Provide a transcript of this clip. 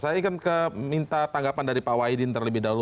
saya ingin minta tanggapan dari pak wahidin terlebih dahulu